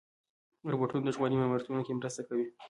روبوټونه د ژغورنې ماموریتونو کې مرسته کوي.